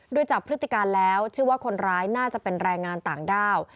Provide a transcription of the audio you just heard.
โดยจากพฤติการแล้วเชื่อว่าคนร้ายน่าจะเป็นแรงงานต่างด้าว